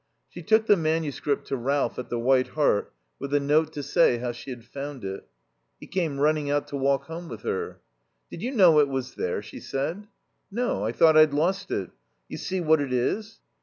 She took the manuscript to Ralph at the White Hart with a note to say how she had found it. He came running out to walk home with her. "Did you know it was there?" she said. "No. I thought I'd lost it. You see what it is?"